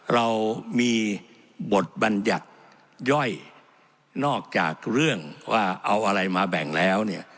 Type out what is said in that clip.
เรามีบทบัญญัติย่อยนอกจากเรื่องว่าเอาอะไรมาแบ่งแล้วเนี่ย